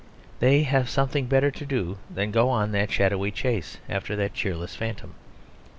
They have something better to do than to go on that shadowy chase after that cheerless phantom.